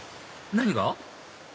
何が？